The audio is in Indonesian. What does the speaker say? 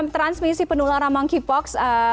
transmisi penularan monkeypox